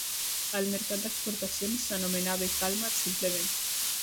Al mercat d'exportacions s'anomenava Kalmar simplement.